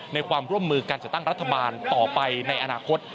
ในความร่วมมือการจัดตั้งรัฐบาลต่อไปในอนาคต